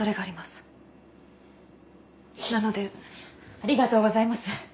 ありがとうございます。